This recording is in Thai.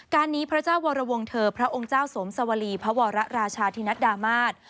การนี้พระเจ้าวรวงเธอพระองค์เจ้าสมสวรีพระวรราชาธินัดดามาศ